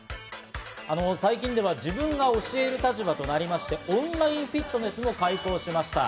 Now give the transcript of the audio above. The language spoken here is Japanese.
最近では自分が教える立場となりまして、オンラインフィットネスも開講しました。